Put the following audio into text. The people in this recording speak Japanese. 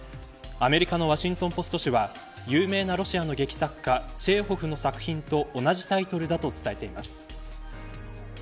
アメリカのワシントン・ポスト氏は有名なロシアの劇作家チェーホフの作品と同じタイトルだと伝えています。